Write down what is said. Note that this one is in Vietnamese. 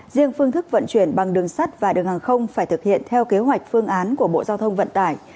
riêng phương thức vận chuyển bằng đường sắt và đường hàng không phải thực hiện theo kế hoạch phương án của bộ giao thông vận tải